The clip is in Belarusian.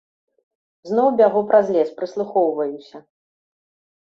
Зноў бягу праз лес, прыслухоўваюся.